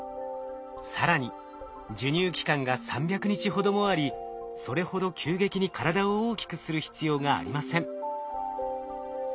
更に授乳期間が３００日ほどもありそれほど急激に体を大きくする必要がありません。